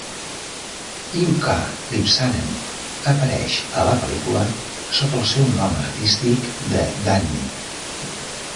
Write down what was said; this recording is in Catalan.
Ilkka Lipsanen apareix a la pel·lícula sota el seu nom artístic de "Danny".